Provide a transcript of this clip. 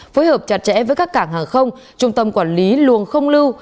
phối hợp chặt chẽ với các cảng hàng không trung tâm quản lý luồng không lưu